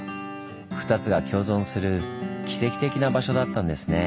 ２つが共存する奇跡的な場所だったんですねぇ。